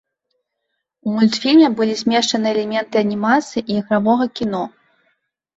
У мультфільме былі змешчаны элементы анімацыі і ігравога кіно.